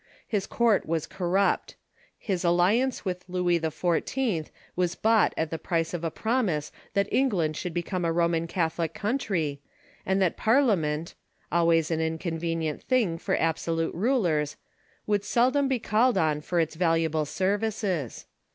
His court was cor rupt. His alliance with Louis XIV. Avas bought at the price of a promise that England should become a Roman Catholic country, and that Parliament — always an inconvenient thing for absolute rulers — would seldom be called on for its valu able services.